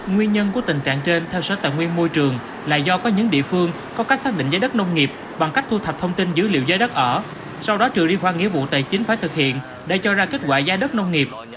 nguyên nhân của tình trạng trên theo sở tài nguyên môi trường là do có những địa phương có cách xác định giá đất nông nghiệp bằng cách thu thập thông tin dữ liệu giá đất ở sau đó trừ liên quan nghĩa vụ tài chính phải thực hiện để cho ra kết quả gia đất nông nghiệp